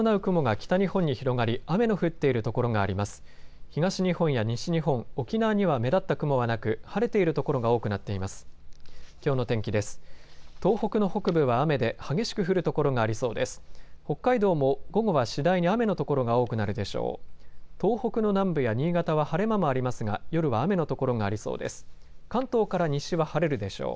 北海道も午後は次第に雨の所が多くなるでしょう。